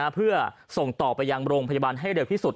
เพื่อส่งต่อไปยังโรงพยาบาลให้เร็วที่สุด